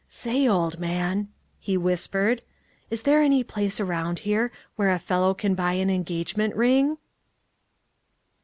"Say, old man," he whispered, "is there any place around here where a fellow can buy an engagement ring?"